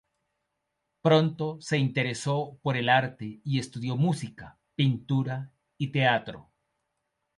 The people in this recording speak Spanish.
Pronto se interesó por el arte y estudió música, pintura y teatro.